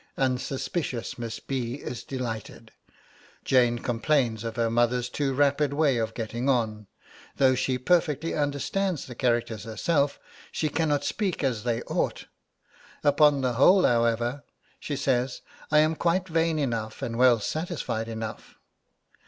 Unsuspicious Miss B. is delighted. Jane complains of her mother's too rapid way of getting on; 'though she perfectly understands the characters herself, she cannot speak as they ought. Upon the whole, however,' she says, 'I am quite vain enough and well satisfied enough.'